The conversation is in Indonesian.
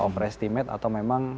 overestimate atau memang